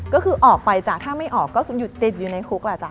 ก็คือออกไปจ้ะถ้าไม่ออกก็คือติดอยู่ในคุกล่ะจ้